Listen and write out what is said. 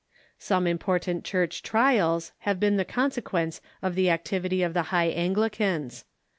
Some important Church trials have been the consequence of the activity of the High Anglicans.